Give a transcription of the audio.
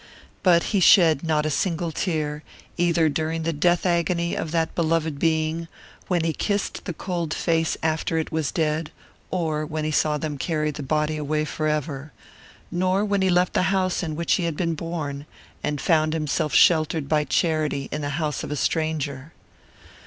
But he shed not a single tear, either during the death agony of that beloved being, when he kissed the cold face after it was dead, or when he saw them carry the body away forever; nor when he left the house in which he had been born, and found himself sheltered by charity in the house of a stranger.